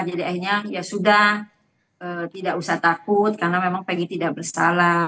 jadi akhirnya ya sudah tidak usah takut karena memang pegi tidak bersalah